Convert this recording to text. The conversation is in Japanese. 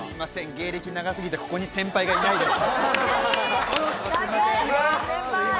芸歴長すぎて、ここに先輩いないです。